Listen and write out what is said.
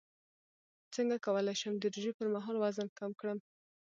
څنګه کولی شم د روژې پر مهال وزن کم کړم